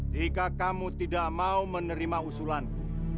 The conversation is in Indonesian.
jika kamu tidak mau menerima usulan